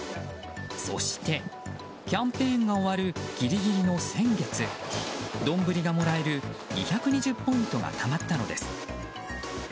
そして、キャンペーンが終わるギリギリの先月丼がもらえる２２０ポイントがたまったのです。